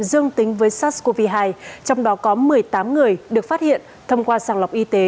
dương tính với sars cov hai trong đó có một mươi tám người được phát hiện thông qua sàng lọc y tế